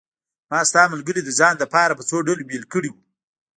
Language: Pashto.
ما ستا ملګري د ځان لپاره په څو ډلو بېل کړي وو.